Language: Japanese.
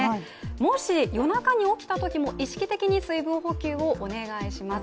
もし、夜中に起きたときも意識的に水分補給をお願いします。